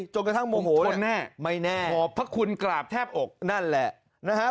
จนกระทั่งโมโหไม่แน่พอพระคุณกราบแทบอกนั่นแหละโอ้โหผมทนแน่